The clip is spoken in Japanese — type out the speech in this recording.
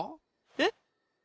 えっ？